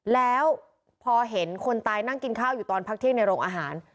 แล้วพอเห็นคนตายนั่งกินข้าวอยู่ตอนพักเที่ยงในโรงอาหาร